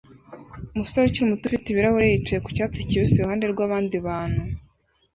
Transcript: Umusore ukiri muto ufite ibirahuri yicaye ku cyatsi kibisi iruhande rwabandi bantu